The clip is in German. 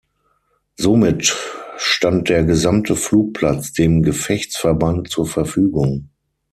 Somit stand der gesamte Flugplatz dem Gefechtsverband zur Verfügung.